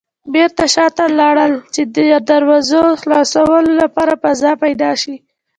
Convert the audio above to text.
بېرته شاته لاړل چې د دراوزو خلاصولو لپاره فضا پيدا شي.